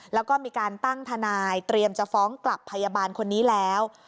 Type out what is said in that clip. แล้วก็มีการตั้งทนายเตรียมจะฟ้องกลับพยาบาลคนนี้แล้ว